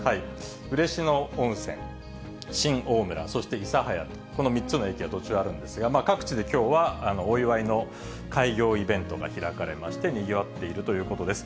嬉野温泉、新大村、そして諫早と、この３つの駅が途中あるんですが、各地できょうはお祝いの開業イベントが開かれまして、にぎわっているということです。